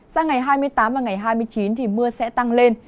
sang ngày hai mươi tám và ngày hai mươi chín thì mưa sẽ tăng lên